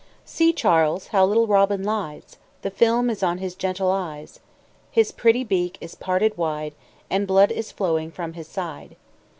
See, Charles, how little Robin lies: The film is on his gentle eyes; His pretty beak is parted wide, And blood is flowing from his side.